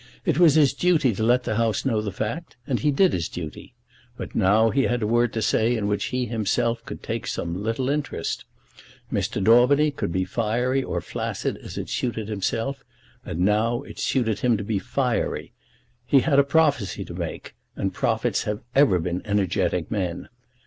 It was his duty to let the House know the fact, and he did his duty. But now he had a word to say in which he himself could take some little interest. Mr. Daubeny could be fiery or flaccid as it suited himself; and now it suited him to be fiery. He had a prophecy to make, and prophets have ever been energetic men.